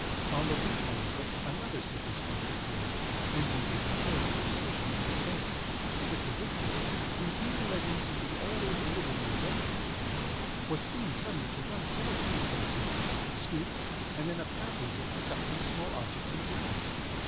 On the route, however, another circumstance occurred tending to confirm the suspicion entertained. Mr. Goodfellow, whose zeal led him to be always a little in advance of the party, was seen suddenly to run forward a few paces, stoop, and then apparently to pick up some small object from the grass.